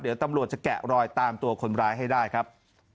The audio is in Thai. เดี๋ยวตำรวจจะแกะรอยตามตัวคนร้ายให้ได้ครับ